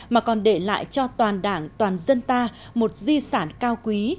mà còn để lại cho toàn đảng toàn dân ta một di sản cao quý